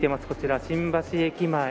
こちら新橋駅前。